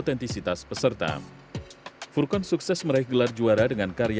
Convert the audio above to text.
tapi sudah suka menggambar